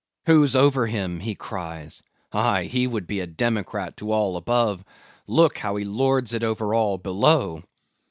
Who's over him, he cries;—aye, he would be a democrat to all above; look, how he lords it over all below!